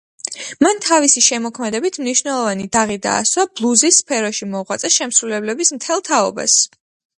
მან თავისი შემოქმედებით მნიშვნელოვანი დაღი დაასვა ბლუზის სფეროში მოღვაწე შემსრულებლების მთელ თაობას.